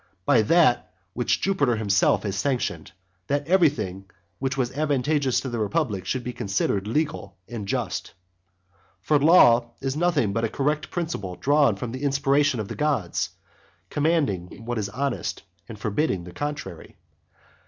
By that which Jupiter himself has sanctioned, that everything which was advantageous to the republic should be considered legal and just. For law is nothing but a correct principle drawn from the inspiration of the gods, commanding what is honest, and forbidding the contrary.